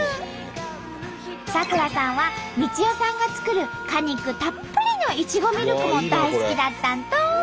咲楽さんは美智代さんが作る果肉たっぷりのいちごミルクも大好きだったんと！